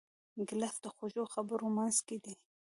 ګیلاس د خوږو خبرو منځکۍ دی.